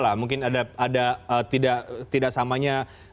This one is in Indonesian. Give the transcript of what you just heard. lah mungkin ada tidak samanya